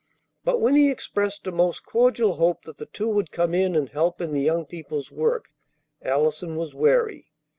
But, when he expressed a most cordial hope that the two would come in and help in the young people's work, Allison was wary.